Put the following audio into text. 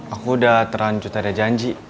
aku udah terlanjut ada janji